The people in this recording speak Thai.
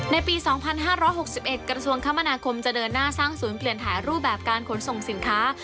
ในปี๒๕๖๑กระทรวงคมนาคมจะเดินหน้าสร้างศูนย์เปลี่ยนถ่ายรูปแบบการขนส่งสินค้า